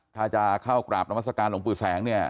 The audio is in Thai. ถ้าจะเข้ากราบนามัศกาลหลวงปู่แสงเนี่ย